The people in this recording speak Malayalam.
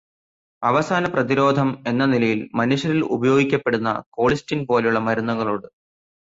അവസാനപ്രതിരോധം എന്ന നിലയിൽ മനുഷ്യരിൽ ഉപയോഗിക്കപ്പെടുന്ന കോളിസ്റ്റിൻ പോലെയുള്ള മരുന്നുകളോട്